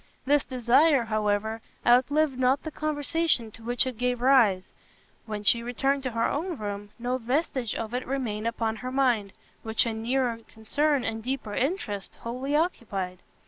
This desire, however, outlived not the conversation to which it gave rise; when she returned to her own room, no vestige of it remained upon her mind, which a nearer concern and deeper interest wholly occupied.